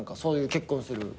結婚する。